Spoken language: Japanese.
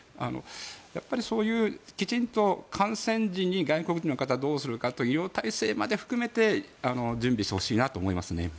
やっぱり、そういうきちんと感染時に外国人の方をどうするかという医療体制も含めて準備してほしいなと思います。